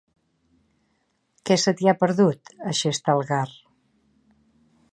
Què se t'hi ha perdut, a Xestalgar?